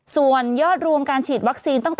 ส่วนยอดรวมการฉีดวัคซีน